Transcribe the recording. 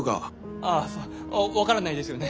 ああ分からないですよね？